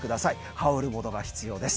羽織るものが必要です。